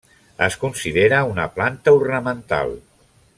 Es considera una planta ornamental.